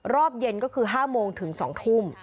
รอบเย็นก็คือ๕โมงถึง๒ทุ่ม